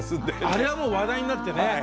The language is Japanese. あれはもう話題になってね。